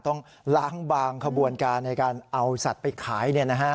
ต้องล้างบางขบวนการในการเอาสัตว์ไปขาย